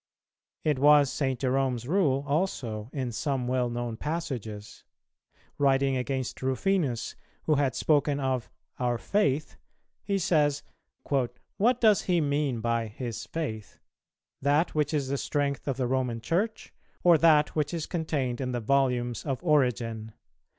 It was St. Jerome's rule, also, in some well known passages: Writing against Ruffinus, who had spoken of "our faith," he says, "What does he mean by 'his faith'? that which is the strength of the Roman Church? or that which is contained in the volumes of Origen?